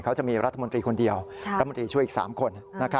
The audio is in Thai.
เขาจะมีรัฐมนตรีคนเดียวรัฐมนตรีช่วยอีก๓คน